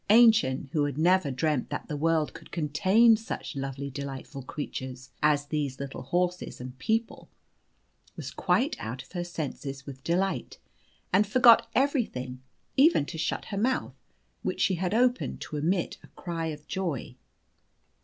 Aennchen, who had never dreamt that the world could contain such lovely delightful creatures as these little horses and people, was quite out of her senses with delight, and forgot everything, even to shut her mouth, which she had opened to emit a cry of joy.